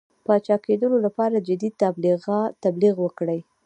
پاچاکېدلو لپاره جدي تبلیغ وکړي.